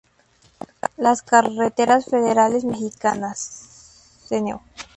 Las Carreteras Federales Mexicanas No.